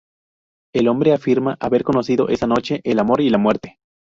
El hombre afirma haber conocido esa noche el amor y la muerte.